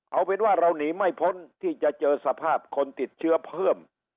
เอาเป็นว่าเราหนีไม่พ้นที่จะเจอสภาพคนติดเชื้อเพิ่ม